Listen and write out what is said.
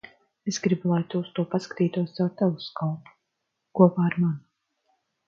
Es gribu, lai tu uz to paskatītos caur teleskopu - kopā ar mani.